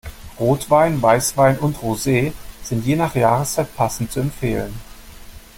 Rotwein, Weißwein und Rosé sind je nach Jahreszeit passend zu empfehlen.